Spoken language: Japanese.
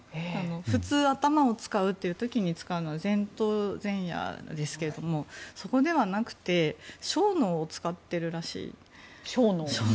普通、頭を使う時に使うのは前頭前野ですがそこではなくて小脳を使っているらしい。